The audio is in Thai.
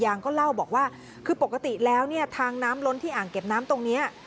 ก็เล่าบอกว่าคือปกติแล้วเนี่ยทางน้ำล้นที่อ่างเก็บน้ำตรงนี้